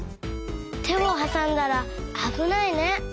てをはさんだらあぶないね。